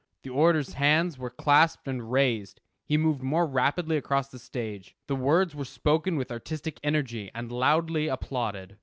The orator's hands were clasped and raised; he moved more rapidly across the stage; the words were spoken with artistic energy, and loudly applauded.